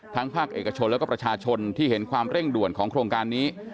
ภาคเอกชนแล้วก็ประชาชนที่เห็นความเร่งด่วนของโครงการนี้